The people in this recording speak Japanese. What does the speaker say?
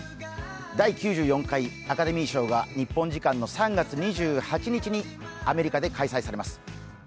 第９４回アカデミー賞が日本時間の３月２８日にアメリカで開催されます。